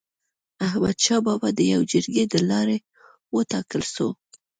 احمد شاه بابا د يوي جرګي د لاري و ټاکل سو.